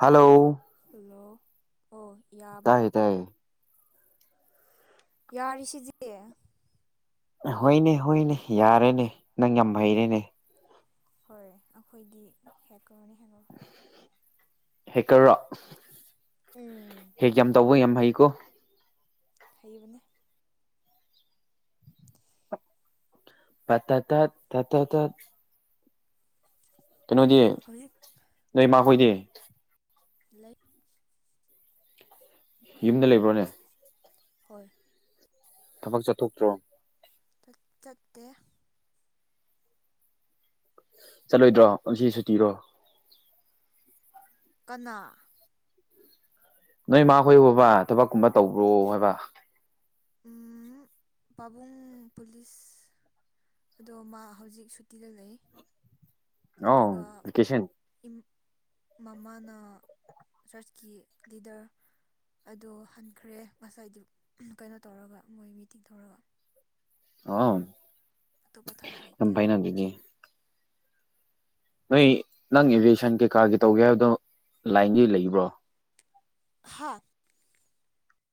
ꯍꯥꯜꯂꯣ hello ꯑꯣ ꯌꯥꯕ ꯇꯥꯏ ꯇꯥꯏ ꯌꯥꯔꯤꯁꯤꯗꯤ ꯍꯣꯏꯅꯦ ꯍꯣꯏꯅꯦ ꯌꯥꯔꯦꯅꯦ ꯅꯪ ꯌꯥꯝ ꯍꯩꯔꯦꯅꯦ ꯍꯣꯏ ꯑꯈꯣꯏꯗꯤ ꯍꯦꯛꯀ꯭ꯔꯅꯦ ꯍꯦꯛꯒ ꯍꯦꯛꯀ꯭ꯔꯔꯣ ꯎꯝ ꯍꯦꯛ ꯌꯥꯝ ꯇꯧꯕ ꯌꯥꯝ ꯍꯩꯀꯣ ꯍꯩꯕꯅꯦ ꯇ ꯇ ꯇꯠ ꯇ ꯇ ꯇꯠ ꯀꯩꯅꯣꯗꯤ ꯍꯧꯖꯤꯛ ꯅꯣꯏ ꯀꯔꯤ ꯃꯥꯈꯣꯏꯗꯤ ꯂꯩ ꯌꯨꯝꯗ ꯂꯩꯕ꯭ꯔꯣꯅꯦ ꯍꯣꯏ ꯊꯕꯛ ꯆꯠꯊꯣꯛꯇ꯭ꯔꯣ ꯆꯠ ꯆꯠꯇꯦ ꯆꯠꯂꯣꯏꯗ꯭ꯔꯣ ꯉꯁꯤ ꯁꯨꯇꯤꯔꯣ ꯀꯅꯥ ꯅꯣꯏ ꯃꯥ ꯍꯣꯏꯕꯣꯕꯥ ꯊꯕꯛꯀꯨꯝꯕ ꯇꯧꯕ꯭ꯔꯣ ꯍꯥꯏꯕ ꯎꯝ ꯄꯥꯕꯨꯡ ꯄꯨꯂꯤꯁ ꯑꯗꯣ ꯃꯥ ꯍꯧꯖꯤꯛ ꯁꯨꯇꯤꯗ ꯂꯩ ꯑꯗꯨꯒ ꯑꯧ ꯚꯦꯀꯦꯁꯟ ꯏꯝ ꯃꯃꯥꯅ ꯆ꯭ꯔꯁꯀꯤ ꯂꯤꯗ꯭ꯔ ꯑꯗꯣ ꯍꯟꯈ꯭ꯔꯦ ꯉꯁꯥꯏꯗꯨꯞ ꯀꯩꯅꯣ ꯇꯧꯔꯒ ꯃꯣꯏ ꯃꯤꯇꯤꯡ ꯇꯧꯔꯒ ꯑꯥꯟ ꯑꯇꯣꯞꯄ ꯊꯕꯛ ꯂꯩꯇꯦ ꯅꯣꯏ ꯅꯪ ꯏꯚꯤꯌꯦꯁꯟ ꯀꯩꯀꯥꯒꯤ ꯇꯧꯒꯦ ꯍꯥꯏꯕꯗꯣ ꯂꯥꯏꯟꯒꯤ ꯂꯩꯕ꯭ꯔꯣ ꯍꯥꯠ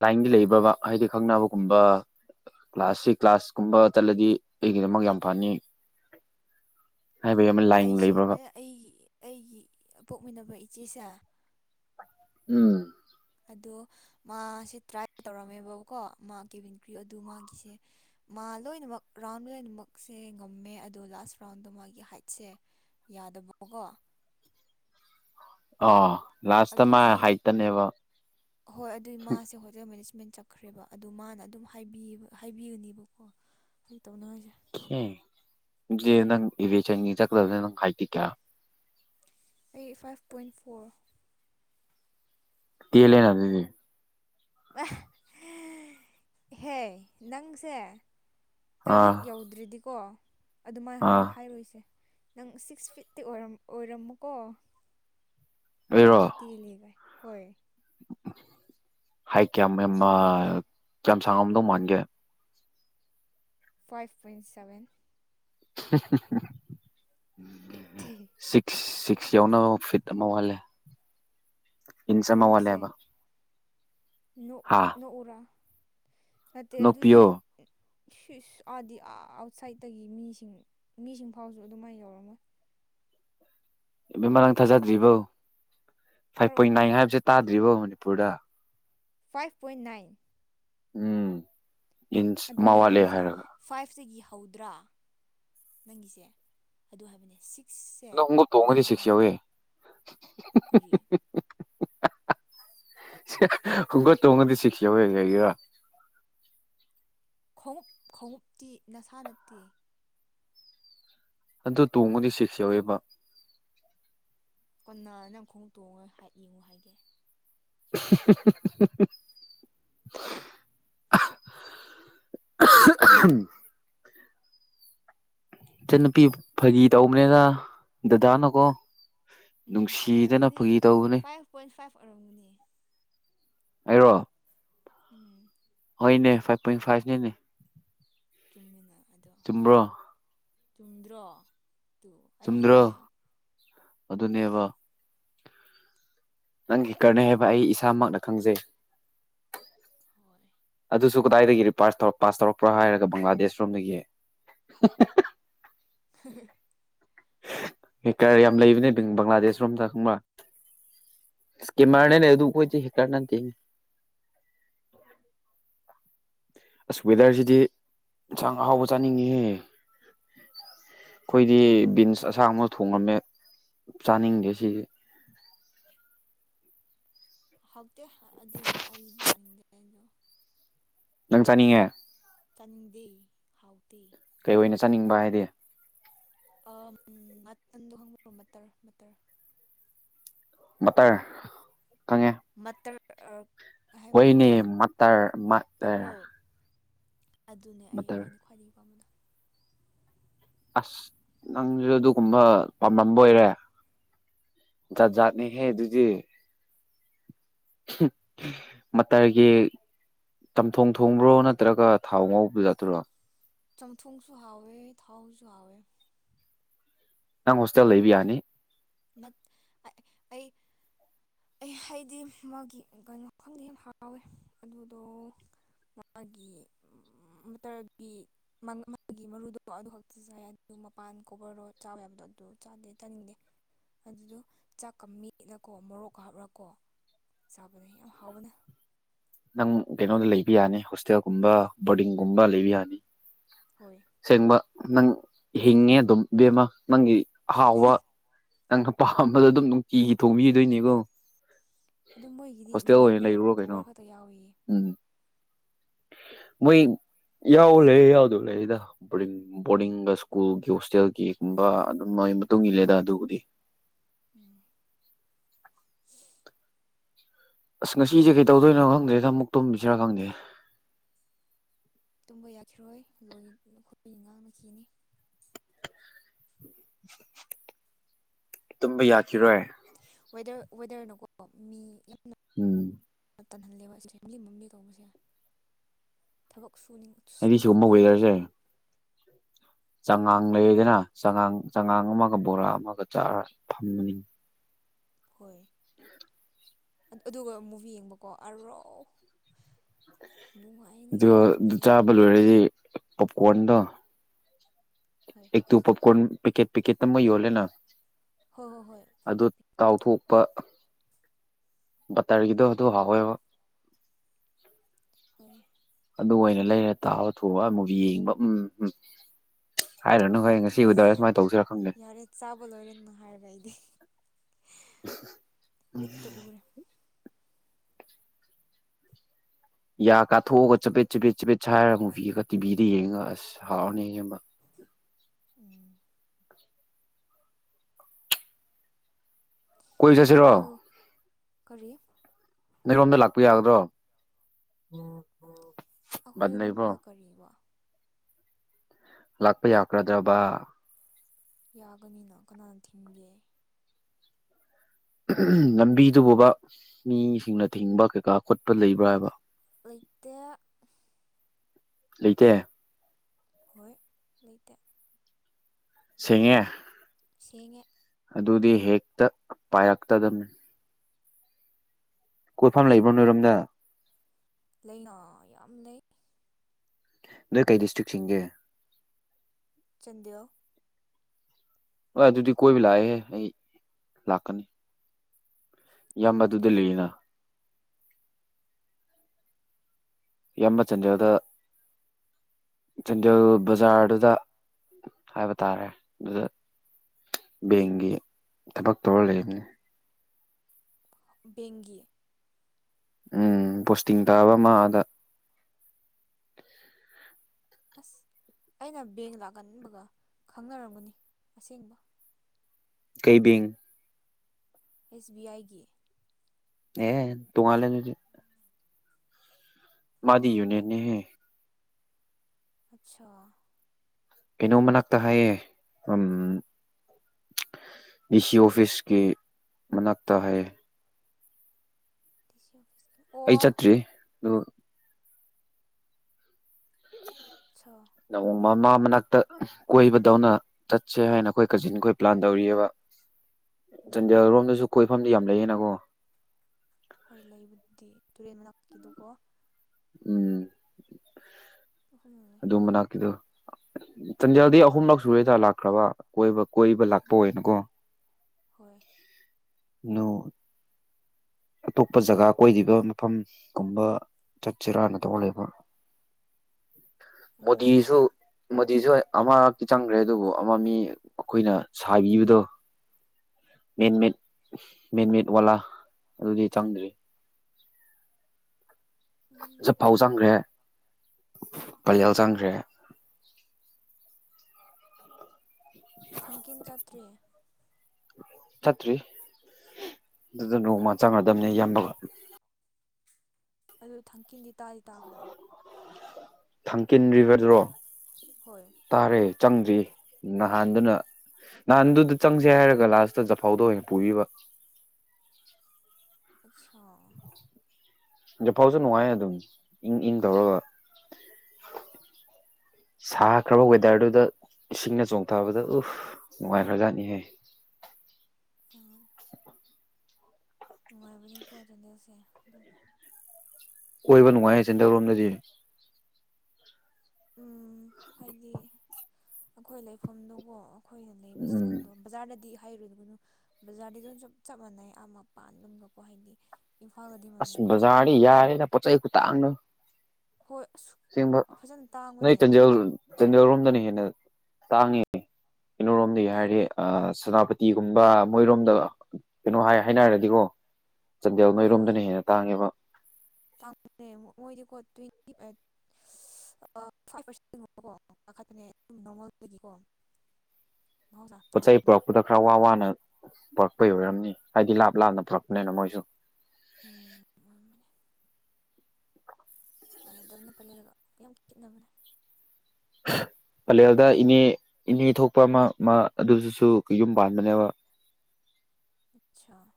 ꯂꯥꯏꯟꯗꯤ ꯂꯩꯕ꯭ꯔꯕ ꯍꯥꯏꯗꯤ ꯈꯪꯅꯕꯒꯨꯝꯕ ꯀ꯭ꯂꯥꯁꯁꯤ ꯀ꯭ꯂꯥꯁ ꯀꯨꯝꯕ ꯆꯠꯂꯗꯤ ꯑꯩꯒꯤꯗꯃꯛ ꯌꯥꯝ ꯐꯅꯤ ꯍꯥꯏꯕ ꯌꯥꯝꯕ ꯂꯥ ꯑꯩꯁꯦ ꯑꯩꯒꯤ ꯑꯩꯒꯤ ꯄꯣꯛꯃꯤꯟꯅꯕ ꯏꯆꯦꯁꯦ ꯎꯝ ꯑꯗꯣ ꯃꯥꯁꯦ ꯇ꯭ꯔꯥꯏꯞ ꯇꯧꯔꯝꯃꯦꯕꯀꯣ ꯃꯥꯒꯤ ꯕꯤꯟꯀ꯭ꯔꯤ ꯑꯗꯨ ꯃꯥꯒꯤꯁꯦ ꯃꯥ ꯂꯣꯏꯅꯃꯛ ꯔꯥꯎꯟ ꯂꯣꯏꯅꯃꯛꯁꯦ ꯉꯝꯃꯦ ꯑꯗꯣ ꯂꯥꯁ ꯔꯥꯎꯟꯗ ꯃꯥꯒꯤ ꯍꯥꯏꯠꯁꯦ ꯌꯥꯗꯕꯀꯣ ꯑ ꯂꯥꯁꯇ ꯃꯥ ꯑꯗꯨꯒꯤ ꯍꯥꯏꯠꯇꯅꯦꯕ ꯍꯣꯏ ꯑꯗꯨꯏ ꯃꯥꯁꯦ ꯍꯣꯇꯦꯜ ꯃꯦꯅꯦꯖꯃꯦꯟ ꯆꯠꯈ꯭ꯔꯦꯕ ꯑꯗꯨ ꯃꯥꯅ ꯑꯗꯨꯝ ꯍꯥꯏꯕꯤꯌꯦꯕ ꯍꯥꯏꯕꯤꯕꯅꯦꯕꯀꯣ ꯑꯩ ꯇꯧꯅꯉꯥꯏꯖꯦ ꯈꯦꯡ ꯑꯗꯨꯗꯤ ꯅꯪ ꯑꯦꯚꯤꯌꯦꯁꯟ ꯆꯀꯗꯕꯖꯦ ꯅꯪ ꯍꯥꯏꯠꯇꯤ ꯀꯌꯥ ꯑꯩ ꯐꯥꯏꯚ ꯄꯣꯏꯟ ꯐꯣꯔ ꯇꯦꯜꯂꯦꯅ ꯑꯗꯨꯗꯤ ꯍꯦ ꯅꯪꯁꯦ ꯑꯥ ꯇꯔꯨꯛ ꯌꯧꯗ꯭ꯔꯤꯗꯤꯀꯣ ꯑꯗꯨꯃꯥꯏ ꯍꯥꯏ ꯑꯥ ꯍꯥꯏꯔꯣꯏꯁꯦ ꯅꯪ ꯁꯤꯛꯁ ꯐꯤꯠꯇꯤ ꯑꯣꯏꯔꯝ ꯑꯣꯏꯔꯝꯃꯨꯀꯣ ꯑꯩꯕꯨ ꯇꯤꯜꯂꯦ ꯒꯥꯏ ꯍꯣꯏ ꯍꯥꯏ ꯀꯌꯥꯝ ꯌꯥꯝ ꯑ ꯀꯌꯥꯝ ꯁꯥꯡꯉꯝꯗꯧ ꯃꯥꯟꯒꯦ five point seven [inaudible] [unintelligible] six six ꯌꯥꯎꯅꯕ ꯐꯤꯠ ꯑꯃ ꯋꯥꯠꯂꯦ ꯏꯟꯁ ꯑꯃ ꯋꯥꯠꯂꯦ ꯅꯣꯛꯁꯦ ꯍꯥꯏꯕ ꯅꯣꯛ ꯅꯣꯛꯎꯔꯥ ꯅꯠꯇꯦ ꯑꯗꯨꯗꯤ ꯅꯣꯛꯄꯤꯌꯣ ꯁꯤꯁ ꯑꯥꯗꯤ ꯑꯥ ꯑꯥꯎꯠꯁꯥꯏꯠꯇꯒꯤ ꯃꯤꯁꯤꯡ ꯃꯤꯁꯤꯡ ꯐꯥꯎꯁꯨ ꯑꯗꯨꯃꯥꯏꯅ ꯌꯧꯔꯝꯃꯣꯏ ꯏꯕꯦꯝꯃꯥ ꯅꯪ ꯊꯥꯖꯗ꯭ꯔꯤꯕꯣ ꯐꯥꯏꯚ ꯄꯣꯏꯟ ꯊꯥꯔꯛꯑꯣꯅꯦ ꯅꯥꯏꯟ ꯍꯥꯏꯕꯁꯦ ꯇꯥꯗ꯭ꯔꯤꯕꯣ ꯃꯅꯤꯄꯨꯔꯗ five point nine um inch ꯑꯃ ꯑꯗꯨꯅꯦ ꯋꯥꯠꯂꯦ ꯍꯥꯏꯁꯦ ꯍꯥꯏꯔꯒ ꯐꯥꯏꯚꯇꯒꯤ ꯍꯧꯗ꯭ꯔꯥ ꯅꯪꯒꯤꯁꯦ ꯑꯗꯨ ꯍꯥꯏꯕꯅꯦ ꯁꯤꯛꯁ ꯑꯗꯣ ꯍꯣꯡꯎꯞ ꯇꯣꯡꯉꯗꯤ ꯁꯤꯛꯁ ꯌꯧꯋꯦ ꯀꯔꯤ ꯍꯨꯡꯒꯣ ꯇꯣꯡꯉꯗꯤ ꯁꯤꯛꯁ ꯌꯥꯎꯋꯦ ꯍꯥꯏꯒꯤꯔꯣ ꯈꯣꯡꯎꯞ ꯈꯣꯡꯎꯞꯇꯤ ꯅꯁꯥ ꯅꯠꯇꯦ ꯑꯗꯨ ꯇꯣꯡꯉꯥꯗꯤ ꯁꯤꯛꯁ ꯌꯧꯋꯦꯕ ꯀꯟꯅꯅ ꯅꯪ ꯈꯣꯡꯉꯨꯞ ꯇꯣꯡꯉꯒ ꯍꯥꯏ ꯌꯦꯡꯉꯨ ꯍꯥꯏꯒꯦ [inaudible] ꯏꯆꯟꯅꯨꯄꯤ ꯐꯥꯒꯤ ꯇꯧꯕꯅꯦꯅ ꯗꯗꯥꯅꯀꯣ ꯎꯝ ꯅꯨꯡꯁꯤꯗꯅ ꯑꯣꯏꯔꯝꯅꯤ ꯐꯒꯤ ꯇꯧꯕꯅꯦ ꯐꯥꯏꯚ ꯄꯣꯏꯟ ꯐꯥꯏꯚ ꯑꯔꯝꯒꯅꯤ ꯑꯩꯔꯣ [unintelligible] ꯍꯧꯅꯦ ꯐꯥꯏꯚ ꯄꯣꯏꯟ ꯐꯥꯏꯚꯅꯤꯅꯦ ꯆꯨꯝꯃꯤꯅ ꯑꯗꯣ ꯆꯨꯝꯕ꯭ꯔꯣ ꯆꯨꯝꯗ꯭ꯔꯣ ꯇꯨ ꯑꯩ ꯆꯨꯝꯗ꯭ꯔꯣ ꯍꯦꯛꯀꯔꯅꯦ ꯑꯗꯨꯅꯦꯕ ꯅꯪꯒꯤ ꯍꯦꯛꯀꯔꯅꯦ ꯍꯥꯏꯕ ꯑꯩ ꯏꯁꯥꯃꯛꯅ ꯈꯪꯖꯩ ꯍꯣꯏ ꯑꯗꯨꯁꯨ ꯀꯗꯥꯏꯗꯒꯤ ꯔꯤꯄꯥꯥꯁ ꯄꯥꯁ ꯇꯧꯔꯛ꯭ꯄꯔ ꯍꯥꯏꯒ ꯕꯪꯒ꯭ꯂꯥꯗꯦꯁ ꯔꯣꯝꯗꯒꯤ [inaudible] [unintelligible] ꯀꯔ [unintelligible] ꯌꯥꯝ ꯂꯩꯕꯅꯦ ꯕꯪꯒ꯭ꯂꯥꯗꯦꯁ ꯔꯣꯝꯗ ꯈꯪꯕ ꯏꯁꯀꯤꯝꯃꯔꯗꯅꯦ ꯑꯗꯨ ꯈꯣꯏꯗꯗꯤ ꯍꯦꯛ ꯀꯥꯟꯅꯗꯦ [inaudible] [inaudible] ꯑꯁ ꯋꯦꯗꯔꯁꯤꯗꯤ ꯑꯦꯟꯁꯥꯡ ꯑꯍꯥꯎꯕ ꯆꯥꯅꯤꯡꯉꯤꯍꯦ ꯑꯩꯈꯣꯏꯗꯤ ꯕꯤꯟꯁ ꯑꯁꯥꯡꯕ ꯊꯣꯡꯉꯝꯃꯦ ꯆꯥꯅꯤꯡꯗꯦ ꯁꯤꯗꯤ ꯍꯥꯎꯇꯦ ꯑꯗꯨꯗꯣ ꯑꯩꯗꯤ ꯆꯥꯅꯤꯡꯗꯦ ꯑꯗꯣ ꯅꯪ ꯆꯥꯅꯤꯡꯉꯦ ꯆꯥꯅꯤꯡꯗꯦ ꯍꯥꯎꯇꯦ ꯀꯩ ꯑꯣꯏꯅ ꯆꯥꯅꯤꯡꯕ ꯍꯥꯏꯗꯤ ꯑꯣ ꯎꯝ ꯃꯇꯟꯗꯣ ꯈꯪꯕꯔꯣ ꯃꯇꯔ ꯃꯇꯔ ꯃꯇꯥ ꯈꯪꯉꯦ ꯃꯇꯔ ꯑ ꯍꯣꯏꯅꯦ ꯃꯇꯔ ꯃꯠꯑꯔ ꯍꯣꯏ ꯑꯗꯨꯅꯦ ꯑꯩ ꯑꯩꯅ ꯈ꯭ꯋꯥꯏꯗꯒꯤ ꯄꯥꯝꯕꯗꯣ ꯑꯁ ꯅꯪꯖꯨ ꯑꯗꯨꯒꯨꯝꯕ ꯄꯥꯝꯂꯝꯕ ꯑꯣꯏꯔꯦ ꯍꯣꯏ ꯖꯥꯠ ꯖꯥꯠꯅꯤ ꯍꯦ ꯗꯨꯗꯤ ꯃꯇꯥꯏꯒꯤ ꯆꯝꯊꯣꯡ ꯊꯣꯡꯕ꯭ꯔꯣ ꯅꯠꯇ꯭ꯔꯒ ꯊꯥꯎ ꯉꯧꯎꯕ ꯖꯥꯠꯇꯣꯔꯣ ꯆꯝꯊꯨꯡꯁꯨ ꯍꯥꯎꯋꯦ ꯊꯥꯎꯁꯨ ꯍꯥꯎꯋꯦ ꯅꯪ ꯍꯣꯁꯇꯦꯜ ꯂꯩꯕ ꯌꯥꯅꯤ ꯅꯠ ꯑꯩ ꯑꯩ ꯑꯩ ꯍꯥꯏꯗꯤ ꯃꯥꯒꯤ ꯀꯩꯅꯣ ꯈꯪꯗꯦ ꯌꯥꯝ ꯍꯥꯎꯋꯦ ꯑꯗꯨꯗꯣ ꯃꯥꯒꯤ ꯃꯇꯔꯒꯤ ꯃꯥ ꯃꯥꯒꯤ ꯃꯔꯨꯗꯣ ꯑꯗꯨ ꯈꯛꯇ ꯆꯥꯏ ꯑꯗꯨ ꯃꯄꯥꯟ ꯀꯣꯕꯔꯗꯣ ꯆꯥ ꯌꯕꯗꯣ ꯑꯗꯨ ꯆꯥꯗꯦ ꯆꯥꯅꯤꯡꯗꯦ ꯑꯗꯨꯗꯣ ꯆꯥꯛꯀ ꯃꯦꯠꯂꯀꯣ ꯃꯣꯔꯣꯛꯀ ꯍꯥꯞꯂꯀꯣ ꯆꯥꯕꯗ ꯌꯥꯝ ꯍꯥꯎꯕꯅ ꯅꯪ ꯀꯩꯅꯣꯗ ꯂꯩꯕ ꯌꯥꯅꯤ ꯍꯣꯁꯇꯦꯜꯒꯨꯝꯕ ꯕꯣꯔꯗꯤꯡꯒꯨꯝꯕ ꯂꯩꯕ ꯌꯥꯅꯤ ꯍꯣꯏ ꯥꯑꯁꯦꯡꯕ ꯅꯪ ꯍꯤꯡꯉꯦ ꯑꯗꯨꯝ ꯕꯦꯝꯃ ꯅꯪꯒꯤ ꯑꯍꯥꯎꯕ ꯅꯪ ꯑꯄꯥꯝꯕꯗꯣ ꯑꯗꯨꯝ ꯅꯨꯡꯇꯤꯒꯤ ꯊꯣꯡꯕꯤꯗꯣꯏꯅꯦꯀꯣ ꯑꯗꯨꯝ ꯃꯣꯏꯒꯤꯗꯤ ꯃꯪꯒꯟꯗꯣ ꯂꯩꯔꯨꯔꯣ ꯀꯩꯅꯣ ꯀꯣꯕꯔ ꯈꯛꯇ ꯌꯥꯎꯏꯌꯦ ꯎꯝ ꯃꯣꯏ ꯌꯥꯎ ꯂꯩ ꯌꯥꯎꯗꯕ ꯂꯩꯗ ꯃꯔꯤꯡ ꯕꯣꯔꯗꯤꯡꯒ ꯁ꯭ꯀꯨꯜꯒꯤ ꯍꯣꯁꯇꯦꯜꯒꯤꯒꯨꯝꯕ ꯑꯗꯨꯝ ꯃꯣꯏ ꯃꯇꯨꯡ ꯏꯜꯂꯦꯗ ꯑꯗꯨꯕꯨꯗꯤ ꯎꯝ ꯑꯁ ꯉꯁꯤꯁꯦ ꯀꯩꯗꯧꯗꯣꯏꯅꯣ ꯈꯪꯗꯔꯦ ꯑꯃꯨꯛ ꯇꯣꯝꯁꯤꯔ ꯈꯪꯗꯦ ꯇꯨꯝꯕ ꯌꯥꯈꯤꯔꯣꯏ ꯂꯣꯏ ꯑꯩꯈꯣꯏ ꯉꯥꯡꯅꯈꯤꯅꯤ ꯇꯨꯝꯕ ꯌꯥꯈꯤꯔꯣꯏ ꯋꯦꯗꯔ ꯋꯦꯗꯔꯅꯀꯣ ꯃꯤ ꯌꯥꯝꯅ ꯎꯝ ꯇꯟꯍꯜꯂꯦꯕ [unintelligible] ꯐꯦꯃꯤꯂꯤ ꯃꯝꯒꯤ ꯇꯧꯕꯁꯦ ꯊꯕꯛ ꯁꯨꯅꯤꯡ ꯍꯥꯏꯗꯤ ꯁꯤꯒꯨꯝꯕ ꯁꯨꯍꯟꯅꯤꯡꯗꯦꯕ ꯋꯦꯗꯔꯁꯦ ꯆꯉꯥꯡ ꯂꯩꯔꯦꯗꯅ ꯆꯉꯥꯡ ꯆꯉꯥꯡ ꯑꯃꯒ ꯕꯣꯔꯥ ꯑꯃꯒ ꯆꯥꯔ ꯐꯝ ꯍꯣꯏ ꯑꯗꯨꯒ ꯃꯨꯚꯤ ꯌꯦꯡꯕꯀꯣ ꯑꯔꯣ ꯅꯨꯡꯉꯥꯏꯅꯤ ꯑꯗꯨ ꯑꯗꯨꯗꯤ ꯑꯗꯨ ꯆꯥꯕ ꯂꯣꯏꯔꯗꯤ ꯄꯣꯞꯀꯣꯟꯗꯣ ꯍꯣꯏ [unintelligible] ꯑꯦꯇꯨ ꯄꯣꯞꯀꯣꯔꯟ ꯄꯦꯀꯦꯠ ꯄꯦꯀꯦꯠꯇ ꯑꯃ ꯌꯣꯂꯦꯅ ꯍꯣꯏ ꯍꯣꯏ ꯍꯣꯏ ꯄꯤꯒꯦ ꯄꯤ ꯇꯥꯎꯊꯣꯛꯄ ꯕꯇꯔꯒꯤꯗꯣ ꯑꯗꯨ ꯎꯝ ꯍꯥꯎꯋꯦꯕ ꯍꯣꯏꯌꯦ ꯑꯗꯨ ꯑꯣꯏꯅ ꯂꯩꯔ ꯇꯥꯕ ꯊꯣꯛꯑ ꯑꯃꯨ ꯌꯦꯡꯕ ꯎꯝ ꯎꯝ ꯍꯥꯏꯔꯅꯨ ꯍꯣꯏ ꯉꯁꯤꯕꯨꯗꯗꯥꯔ ꯁꯨꯃꯥꯏꯅ ꯇꯧꯔ ꯈꯪꯗꯦ ꯌꯥꯔꯦ ꯆꯥꯕ ꯂꯣꯏꯔꯦꯅ ꯍꯥꯏꯔꯒ ꯑꯩꯗꯤ ꯃꯤꯠꯇ ꯎꯔꯦ ꯌꯥ ꯀꯥꯊꯣꯛꯑꯒ ꯆꯄꯦꯠ ꯆꯄꯦꯠ ꯆꯄꯦꯠ ꯁꯥꯏꯔꯒ ꯃꯨꯕꯤꯤꯒ ꯇꯤꯚꯤꯗ ꯌꯦꯡꯉꯒ ꯑꯁ ꯍꯥꯎꯔꯅꯦꯦꯝꯕ ꯎꯝ ꯀꯣꯏ ꯆꯠꯁꯤꯔꯣ ꯑꯗꯨꯣ ꯀꯔꯤ ꯅꯔꯣꯝꯗ ꯂꯥꯛꯄ ꯌꯥꯒꯗ꯭ꯔꯣ ꯕꯟ ꯂꯩꯕ꯭ꯔꯣ ꯑꯩꯈꯣꯏꯔꯣꯝꯗ ꯀꯔꯤꯕꯣ ꯂꯥꯛꯄ ꯌꯥꯒ꯭ꯔꯗ꯭ꯔꯕ ꯌꯥꯒꯅꯤꯅ ꯀꯅꯥꯅ ꯊꯤꯟꯒꯦ ꯂꯝꯕꯤꯗꯨꯗꯕ ꯃꯤꯁꯤꯡꯅ ꯊꯤꯡꯕ ꯀꯩꯀꯥ ꯈꯣꯠꯄ ꯂꯩꯕ꯭ꯔꯥ ꯍꯥꯏꯕ ꯂꯩꯇꯦ ꯂꯩꯇꯦ ꯍꯣꯏ ꯂꯩꯇꯦ ꯁꯦꯡꯉꯦ ꯁꯦꯡꯉꯦ ꯑꯗꯨꯗꯤ ꯍꯦꯛꯇ ꯄꯥꯏꯔꯛꯇꯗꯝꯕꯅꯤ ꯀꯣꯏꯐꯝ ꯂꯩꯕ꯭ꯔꯣ ꯅꯣꯏꯔꯣꯝꯗ ꯂꯩꯅꯥ ꯌꯥꯝ ꯂꯩ ꯅꯣꯏ ꯀꯩ ꯗꯤꯁꯇ꯭ꯔꯤꯛꯁꯤꯡꯒꯦ ꯆꯟꯗꯣ ꯍꯣꯏ ꯑꯗꯨꯗꯤ ꯀꯣꯏꯕ ꯂꯥꯛꯑꯦꯍꯦ ꯑꯩ ꯂꯥꯛꯀꯅꯤ ꯏꯌꯥꯝꯕ ꯑꯗꯨꯗꯤ ꯑꯗꯨꯅꯦ ꯂꯩꯅ ꯌꯥꯝꯌꯥꯝꯕꯆꯟꯖꯗ ꯆꯥꯟꯗꯦꯜ ꯕꯖꯥꯔꯗꯨꯗ ꯍꯥꯏꯕ ꯇꯥꯔꯦ ꯑꯗꯨꯗ ꯕꯦꯡꯒꯤ ꯊꯕꯛ ꯇꯧꯔ ꯂꯩꯅꯤ ꯦꯡꯒꯤꯦ ꯎꯝ ꯄꯣꯁꯇꯤꯡ ꯇꯥꯕ ꯃꯥ ꯑꯗ [inaudible] ꯑꯁ ꯑꯩꯅ ꯕꯦꯡꯒ ꯂꯥꯛꯀꯟꯕꯒ ꯈꯪꯅꯔꯝꯒꯅꯤ ꯑꯁꯦꯡꯕ ꯀꯩꯕꯦꯡ ꯑꯦꯁ ꯕꯤ ꯑꯥꯏꯒꯤ ꯑꯦ ꯇꯨꯡꯉꯂꯦꯗꯤ ꯃꯥꯗꯤ ꯑꯣꯍꯣ ꯌꯨꯅꯤꯌꯟꯅꯤꯍꯦ ꯑꯆꯥ ꯀꯩꯅꯣ ꯃꯅꯥꯛꯇ ꯍꯥꯏꯌꯦ ꯎꯝ ꯗꯤ ꯁꯤ ꯑꯣꯐꯤꯁꯀꯤ ꯃꯅꯥꯛꯇ ꯍꯥꯏꯌꯦ ꯗꯤ ꯁꯤ ꯑꯣꯐꯤꯁ ꯑꯩ ꯆꯠꯇ꯭ꯔꯤ ꯑꯗꯨ ꯁ ꯅ ꯃꯃꯥ ꯃꯅꯥꯛꯇ ꯀꯣꯏꯕꯗꯧꯅ ꯆꯠꯁꯦ ꯍꯥꯏꯅ ꯑꯩꯈꯣꯏ ꯀꯖꯤꯟꯈꯣꯏ ꯄ꯭ꯂꯥꯟ ꯇꯧꯔꯤꯑꯕ ꯎꯝ ꯎꯝ ꯆꯟꯗꯦꯜꯔꯣꯝꯗꯁꯨ ꯀꯣꯏꯐꯝꯗꯤ ꯌꯥꯝ ꯂꯩꯌꯦꯅꯀꯣ ꯍꯣꯏ ꯂꯩꯕꯨꯗꯤ ꯇꯨꯔꯦꯟ ꯃꯅꯥꯀꯤꯗꯀꯣ ꯎꯝ ꯑꯅ ꯑꯗꯨꯒꯕ ꯂꯅꯥꯀꯤꯗꯣ ꯆꯟꯖꯦꯜꯗꯤ ꯑꯍꯨꯝꯂꯛ ꯁꯨꯔꯦꯗ ꯂꯥꯛꯈ꯭ꯔꯕ ꯀꯣꯏꯕ ꯀꯣꯏꯕ ꯂꯥꯛꯄ ꯑꯣꯏꯅꯀꯣ ꯍꯣꯏ ꯅꯣ ꯑꯇꯣꯞꯄ ꯖꯒꯥ ꯀꯣꯏꯗꯕ ꯃꯐꯝꯒꯨꯝꯕ ꯆꯠꯁꯤꯔꯥꯅ ꯇꯧꯍꯜꯂꯕ [inaudible] ꯎꯝ ꯃꯣꯗꯤꯁꯨ ꯃꯗꯤꯁꯨ ꯍꯣꯏ ꯑꯃ ꯉꯛꯇꯤ ꯆꯪꯈ꯭ꯔꯦ ꯑꯗꯨꯕꯨ ꯑꯃ ꯃꯤ ꯑꯩꯈꯣꯏꯅ ꯁꯥꯕꯤꯕꯗꯣ ꯃꯦꯟꯃꯦꯟ ꯃꯃꯗ ꯋꯥꯂ ꯑꯗꯨꯗꯤ ꯆꯪꯗ꯭ꯔꯤ ꯎꯝ ꯆꯐꯥꯎ ꯆꯪꯈ꯭ꯔꯦ ꯄꯂꯦꯜ ꯆꯪꯈ꯭ꯔꯦ [inaudible] ꯊꯥꯡꯀꯤꯟ ꯆꯠꯇ꯭ꯔꯦ ꯐꯠꯇ꯭ꯔꯤ ꯑꯗꯨꯗ ꯅꯣꯡꯃ ꯆꯪꯒꯗꯕꯅꯦ ꯏꯌꯥꯝꯕꯒ ꯑꯗꯨ ꯊꯥꯡꯀꯤꯟꯗꯤ ꯇꯥꯗꯤ ꯇꯥꯈ꯭ꯔꯕ꯭ꯔꯣ ꯊꯥꯡꯀꯤꯟꯔꯤꯕꯗꯨ꯭ꯔꯣ ꯍꯣꯏ ꯇꯥꯔꯦ ꯆꯪꯗ꯭ꯔꯤ ꯅꯍꯥꯟꯗꯨꯅ ꯅꯍꯥꯟꯗꯨꯗ ꯆꯪꯁꯦ ꯍꯥꯏꯔꯒ ꯂꯥꯁꯇ ꯆꯐꯥꯎꯗ ꯑꯣꯏꯅ ꯄꯨꯕꯤꯕ ꯑ ꯏꯐꯥꯎꯁꯨ ꯅꯨꯡꯉꯥꯏ ꯑꯗꯨꯝ ꯏꯪ ꯏꯪ ꯇꯧꯔꯒ [inaudible] ꯁꯥꯈ꯭ꯔꯕ ꯋꯦꯗꯔꯗꯨꯗ ꯏꯁꯤꯡꯅ ꯆꯣꯡꯊꯕꯗ ꯎꯐ ꯅꯨꯡꯉꯥꯏꯈ꯭ꯔꯖꯥꯠꯅꯤꯍ ꯑ ꯅꯨꯡꯉꯥꯏꯕꯅꯤꯀꯣ ꯗꯟꯗꯦꯜꯁꯦ ꯑꯗꯨꯝ ꯀꯣꯏꯕ ꯅꯨꯡꯉꯥꯏꯌꯦ ꯁꯦꯟꯗꯧꯔꯣꯝꯗꯗꯤ ꯎꯝ ꯍꯥꯏꯗꯤ ꯑꯩꯈꯣꯏ ꯂꯩꯐꯝꯗꯨꯒꯣ ꯑꯩꯈꯣꯏꯅ ꯂꯩꯕ ꯎꯝ ꯏꯁꯇꯥꯏꯜꯗꯣ ꯕꯖꯥꯔꯗꯗꯤ ꯍꯥꯏꯔꯨꯗꯕꯅꯣ ꯕꯖꯥꯔꯗꯤꯁꯨ ꯑꯗꯨꯝ ꯆꯞ ꯆꯞ ꯃꯥꯟꯅꯩ ꯑꯄꯥꯟ ꯑꯗꯨꯨꯝꯒꯀꯣ ꯍꯥꯏꯗꯤ ꯏꯝꯐꯥꯜꯒꯗꯤ ꯃꯥꯟꯅꯩꯌꯦ ꯂꯩꯐꯝꯁꯦ ꯑꯗꯨ ꯀꯆ ꯆꯩ ꯈꯨꯨꯠꯇꯇꯥ ꯍꯥꯅ ꯍꯣꯏ ꯁꯤ ꯐꯖꯅ ꯇꯥꯡꯕꯅꯦ ꯅꯇ ꯖꯎ ꯆꯥꯟꯗꯦꯜꯔꯣꯝꯗꯅ ꯍꯦꯟꯅ ꯇꯥꯡꯉꯤ ꯀꯩꯅꯣꯣꯔꯣꯝꯗꯒꯤ ꯍꯥꯏꯗꯤ ꯇꯥꯡꯉꯦ ꯁꯦꯅꯥꯄꯇꯤ ꯇꯤꯒꯨꯝꯕ ꯃꯣꯏꯔꯣꯝꯗ ꯀꯩꯅꯣ ꯍꯥꯏ ꯍꯥꯏꯅꯔꯗꯤꯀꯣ ꯆꯥꯟꯗꯦꯜ ꯍꯣꯏ ꯍꯣꯏ ꯃꯣꯏꯔꯣꯝꯗꯅ ꯍꯦꯟꯅ ꯇꯥꯡꯉꯤꯕ ꯃꯣꯏꯗꯤꯀꯣ ꯇ꯭ꯋꯦꯟꯇꯤ ꯐꯥꯏꯚ ꯄꯔ ꯀꯣ ꯀꯥꯈꯄꯅꯦ ꯅꯣꯔꯃꯦꯜꯗꯒꯤꯀꯣ [inaudible] ꯄꯣꯠ ꯆꯩ ꯇꯥꯡꯕꯗꯣ ꯄꯨꯔꯛꯄꯗ ꯈꯔ ꯋꯥ ꯋꯥꯅ ꯄꯨꯔꯛꯄꯒꯤ ꯑꯣꯏꯔꯝꯅꯤ ꯍꯥꯏꯗꯤ ꯂꯥꯞ ꯂꯥꯞꯅ ꯄꯨꯔꯛꯄꯅꯤꯅ ꯃꯣꯏꯁꯨ ꯎꯝ ꯋꯥꯅꯦ ꯃꯥꯟꯅꯗꯕꯅ ꯄꯜꯍꯜꯂꯒ ꯌꯥꯝ ꯈꯦꯠꯅꯕꯅꯦ ꯄꯂꯦꯜꯗ ꯏꯅꯦ ꯏꯅꯦ ꯊꯣꯛꯄ ꯑꯃ ꯑꯃ ꯑꯗꯨꯗꯨꯁꯨ ꯌꯨꯝ ꯄꯥꯟꯕꯅꯦꯕ ꯑꯆꯥꯥ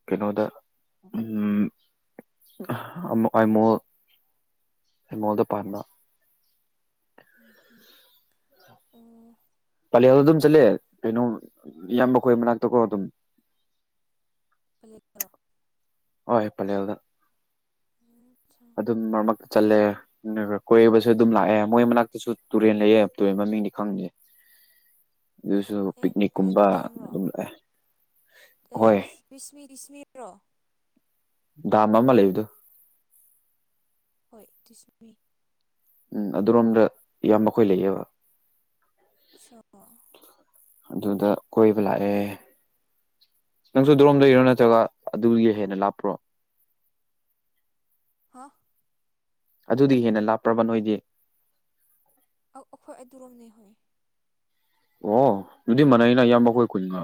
ꯀꯩꯅꯣꯗ ꯎ ꯑꯩꯥꯏꯃꯣ ꯃ ꯃꯣꯗ ꯄ ꯎꯝ ꯍꯝ ꯄꯂꯦꯜꯗ ꯑꯗꯨꯝ ꯍꯣꯏ ꯆꯠꯂꯦ ꯀꯩꯅꯣ ꯏꯌꯥꯝꯕ ꯈꯣꯏ ꯃꯅꯥꯛꯇꯀꯣ ꯑꯗꯨꯝ ꯄ꯭ꯂꯦ ꯇꯣ ꯑꯣ ꯏ ꯄꯜꯂꯦꯜꯗ [inaudible] ꯑꯗꯨꯝ ꯃꯔꯛ ꯃꯔꯛꯇ ꯆꯠꯂꯦ ꯀꯣꯏꯕꯁꯨ ꯑꯗꯨꯝ ꯂꯥꯛꯑꯦ ꯃꯣꯏ ꯃꯅꯥꯛꯇꯁꯨ ꯇꯨꯔꯦꯜ ꯂꯩꯌꯦ ꯇꯨꯔꯦꯟ ꯃꯃꯤꯡꯗꯤ ꯈꯪꯕꯦ [inaudible] ꯑꯦ ꯄꯂꯦꯜ ꯄꯤꯛꯅꯤꯛꯀꯨꯝꯕ ꯗꯥꯝꯔꯣ ꯑꯗꯨꯝ ꯂꯥꯛꯑꯦ ꯑꯦ ꯍꯣꯏ ꯕꯤꯁꯃꯤ ꯂꯤꯁꯃꯤꯔꯣ ꯗꯥꯝ ꯑꯃ ꯂꯩꯕꯗꯣ ꯍꯣꯏ ꯇꯁꯃꯤ ꯎꯝ ꯑꯗꯨꯔꯣꯝꯗ ꯌꯥꯝ ꯃꯈꯣꯏ ꯂꯩꯑꯦꯕ ꯆ ꯑꯗꯨꯗ ꯀꯣꯏꯕ ꯂꯥꯛꯑꯦ ꯅꯪꯁꯨ ꯗꯣꯔꯣꯝꯗ ꯏꯔꯣ ꯅꯠꯇ꯭ꯔꯒ ꯑꯗꯨꯒꯤ ꯍꯦꯟꯅ ꯂꯥꯞꯄ꯭ꯔꯣ ꯍꯥꯥ ꯑꯗꯨꯗꯤ ꯍꯦꯟꯅ ꯂꯥꯞꯄ꯭ꯔꯕ ꯅꯣꯏꯗꯤ ꯑꯩꯈꯣꯏ ꯑꯗꯨꯔꯣꯝꯅꯦ ꯍꯣꯏ ꯑꯣ ꯑꯗꯨꯗꯤ ꯃꯥꯅꯩꯅ ꯏꯌꯥꯝꯕ ꯍꯣꯏ ꯈꯨꯟꯒ